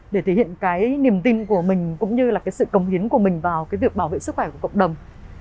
để thể hiện cái niềm tin của mình cũng như là cái sự cống hiến của mình vào cái việc bảo vệ sức khỏe của cộng đồng